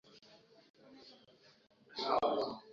cheki keki yako baada ya dakika thelathini na tano